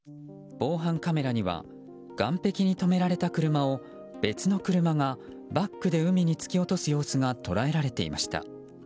防犯カメラには岸壁に止められた車を別の車がバックで海に突き落とす様子が捉えられていました。